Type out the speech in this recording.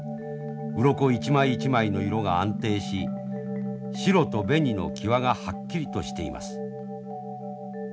うろこ一枚一枚の色が安定し白と紅の際がはっきりとしています。